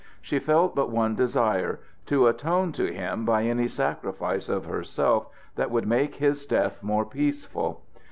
She felt but one desire to atone to him by any sacrifice of herself that would make his death more peaceful.